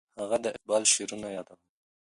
هغه د اقبال شعرونه یادول.